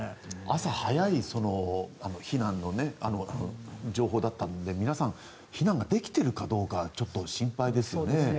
朝早い避難の情報だったので皆さん、避難ができているかどうかちょっと心配ですね。